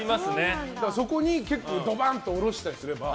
そこに結構どばんと卸したりすれば。